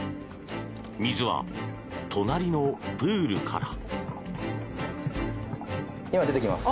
水は隣のプールから。